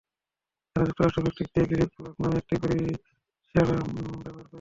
তারা যুক্তরাষ্ট্র ভিত্তিক দ্য গিভিং ব্লক নামে একটি পরিষেবা ব্যবহার করেছিল।